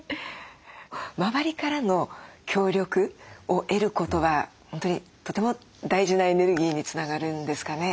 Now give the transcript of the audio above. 周りからの協力を得ることは本当にとても大事なエネルギーにつながるんですかね。